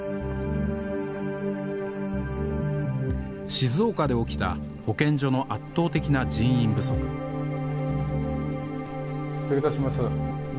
静岡で起きた保健所の圧倒的な人員不足失礼いたします。